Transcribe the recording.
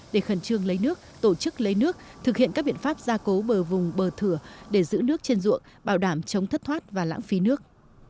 để khẩn trương lấy nước tổ chức lấy nước thực hiện các biện pháp gia cố bờ vùng bờ thửa để giữ nước trên ruộng bảo đảm chống thất thoát và lãng phí nước